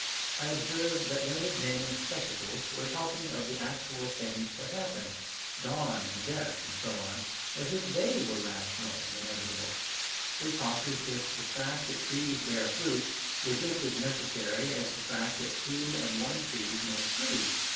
I observed that learned men in spectacles were talking of the actual things that happened dawn and death and so on as if THEY were rational and inevitable. They talked as if the fact that trees bear fruit were just as NECESSARY as the fact that two and one trees make three.